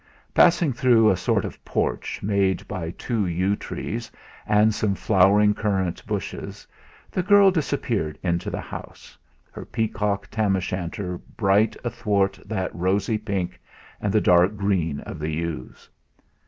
Passing through a sort of porch made by two yew trees and some flowering currant bushes, the girl disappeared into the house, her peacock tam o' shanter bright athwart that rosy pink and the dark green of the yews.